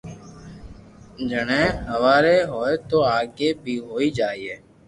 جني ھواري ھوئي تو آگي بي ھوئي جائين